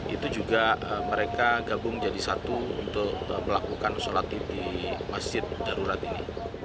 itu juga mereka gabung jadi satu untuk melakukan sholat id di masjid darurat ini